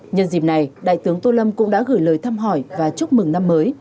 nhân dịp này đại tướng tô lâm cũng đã gửi lời thăm hỏi và chúc mừng năm mới